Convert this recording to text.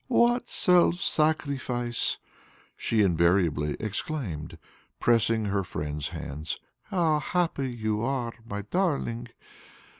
"What self sacrifice!" she invariably exclaimed, pressing her friend's hands. "How happy you are, my darling!